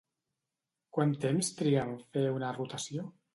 Quant temps triga en fer una rotació?